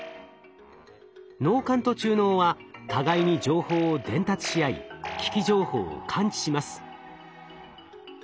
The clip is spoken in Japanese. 脳幹と中脳は互いに情報を伝達し合い危機情報を感知します。